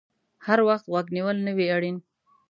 هر وخت غوږ نیول نه وي اړین